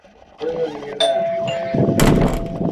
Kijana yule amefika vyema.